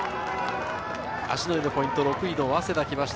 芦之湯のポイント、６位の早稲田が来ました。